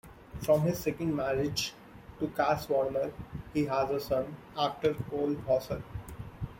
From his second marriage, to Cass Warner, he has a son, actor Cole Hauser.